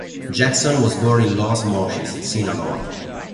Jackson was born in Los Mochis, Sinaloa.